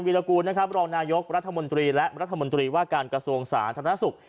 รากูลนะครับรองนายกรัฐมนตรีและรัฐมนตรีว่าการกระทรวงสาธารณสุข